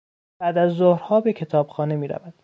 بعد از ظهرها به کتابخانه میرود.